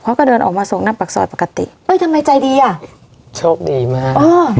เขาก็เดินออกมาส่งหน้าปากซอยปกติเอ้ยทำไมใจดีอ่ะโชคดีมากอ๋อ